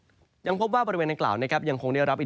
ก็จะมีการแผ่ลงมาแตะบ้างนะครับ